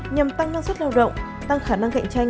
nhằm tăng năng suất lao động tăng khả năng cạnh tranh